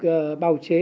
được bào chế